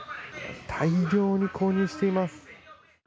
大量に購入しています。